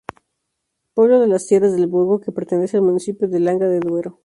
Pueblo de la Tierras del Burgo que pertenece al municipio de Langa de Duero.